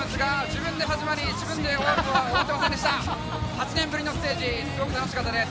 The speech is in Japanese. ８年ぶりのステージすごく楽しかったです。